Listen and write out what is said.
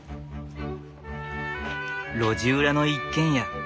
路地裏の一軒家。